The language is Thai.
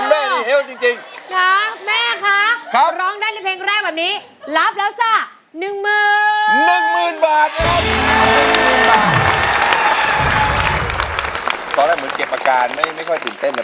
แม่ค่ะร้องได้ในเพลงแรกแบบนี้หลับแล้วจ้ะหนึ่งหมื่น